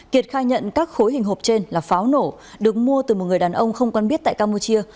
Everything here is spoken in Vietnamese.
kiệt khai nhận các khối hình hộp trên là pháo nổ được mua từ một người đàn ông không quan biết tại campuchia